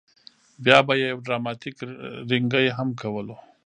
بیا به یې یو ډراماتیک رینګی هم کولو.